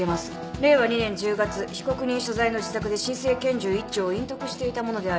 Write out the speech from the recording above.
令和２年１０月被告人所在の自宅で真正拳銃１丁を隠匿していたものである。